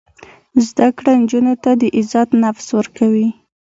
زده کړه نجونو ته د عزت نفس ورکوي.